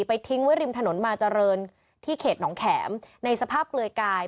ทิ้งไว้ริมถนนมาเจริญที่เขตหนองแข็มในสภาพเปลือยกาย